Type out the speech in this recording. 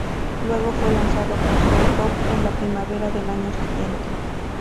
Luego fue lanzado por Sub Pop en la primavera del año siguiente.